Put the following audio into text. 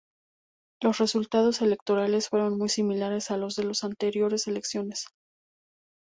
Los resultados electorales fueron muy similares a los de las anteriores elecciones.